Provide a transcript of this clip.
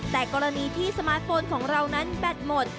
แต่กรณีที่สมาร์ทโฟนของเรานั้นแบตหมด